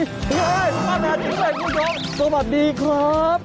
เฮ่ยป้าแมวจริงคุณผู้ชมสวัสดีครับ